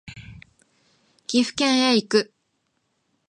岐阜県へ行く